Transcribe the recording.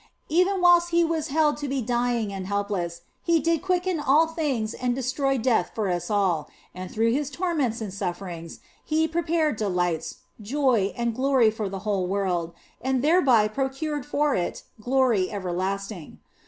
Even whilst He was held to be dying and helpless, He did quicken all things and destroy death for us all, and through His torments and sufferings He prepared delights, joy, and glory for the whole world, and thereby procured for it glory everlasting.